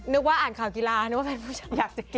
นึกว่าอ่านข่าวกีฬานึกว่าเป็นผู้ชม